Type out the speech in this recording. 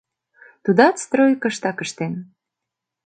Тудат стройкыштак ыштен.